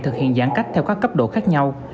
thực hiện giãn cách theo các cấp độ khác nhau